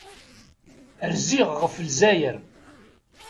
Rziɣ ɣef Lezzayer.